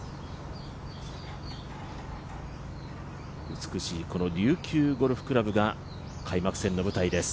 美しい琉球ゴルフ倶楽部が開幕戦の舞台です。